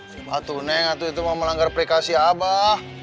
si patu neng itu mau melanggar prekasi abah